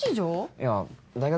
いや大学